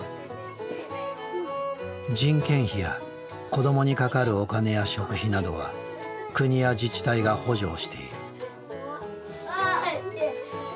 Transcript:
人件費や子どもにかかるお金や食費などは国や自治体が補助をしている。